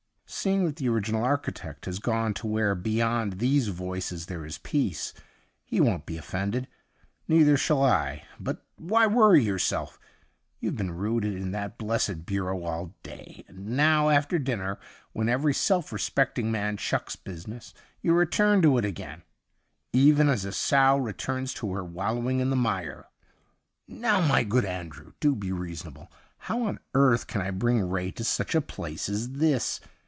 ' Seeing that the original archi tect has gone to where beyond these voices there is peace, he won't be offended. Neither shall I. But why worry yourself? You've been rooted to that blessed bureau all day, and now, after dinner, when every self respecting man chucks business, you return to it again — even as a sow returns to her wallow ing in the mire.' ' Now, my good Andrew, do be reasonable. How on earth can I bring Ray to such a place as this